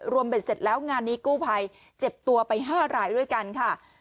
เบ็ดเสร็จแล้วงานนี้กู้ภัยเจ็บตัวไป๕รายด้วยกันค่ะ